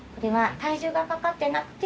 体重がかかってなくて。